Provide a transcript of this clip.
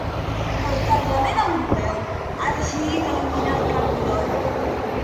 El Parlament Europeu ha decidit eliminar el canvi d'hora.